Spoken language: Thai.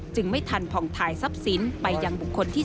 จึงไม่ทันผ่องถ่ายทรัพย์ศิลป์ไปอย่างบุคคลที่๓